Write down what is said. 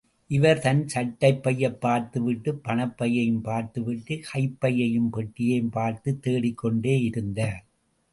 இவர் தன் சட்டைப்பையைப் பார்த்துவிட்டு பணப் பையையும் பார்த்துவிட்டு கைப்பையையும் பெட்டியையும் பார்த்துத் தேடிக் கொண்டே இருந்தார்.